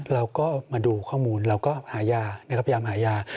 เราก็มาดูข้อมูลเราก็พยายามหายา